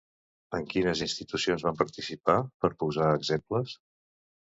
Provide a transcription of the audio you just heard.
En quines institucions va participar, per posar exemples?